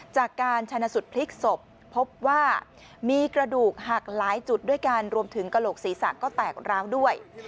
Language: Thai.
จากการชนะสุดพลิกศพพบว่ามีกระดูกหักหลายจุดด้วยกันรวมถึงกระโหลกศีรษะก็แตกร้าวด้วย